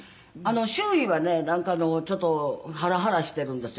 「周囲はねなんかちょっとハラハラしているんですよ」